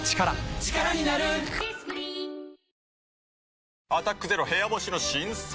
あなたも「アタックＺＥＲＯ部屋干し」の新作。